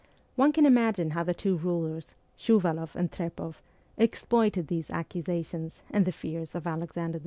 One can imagine how the two rulers, Shuvaloff and Trepoff, exploited these accusations and the fears of Alexander II.